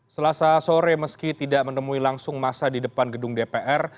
selasa sore meski tidak menemui langsung masa di depan gedung dpr